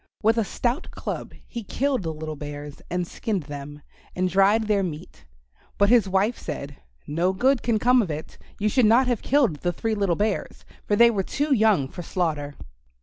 With a stout club he killed the little bears and skinned them and dried their meat. But his wife said, "No good can come of it. You should not have killed the three little bears, for they were too young for slaughter."